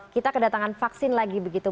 kita kedatangan vaksin lagi begitu